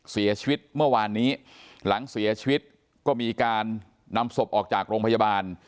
เสียชีวิตเมื่อวานนี้หลังเสียชีวิตก็มีการนำศพออกจากโรงพยาบาล